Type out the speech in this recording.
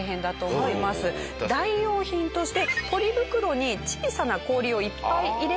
代用品として。